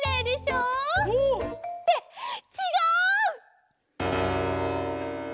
うん。ってちがう！